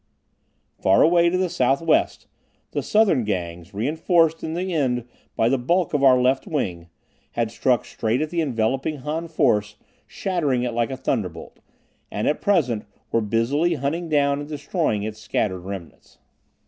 Far away, to the southwest, the southern Gangs, reinforced in the end by the bulk of our left wing, had struck straight at the enveloping Han force shattering it like a thunderbolt, and at present were busily hunting down and destroying its scattered remnants.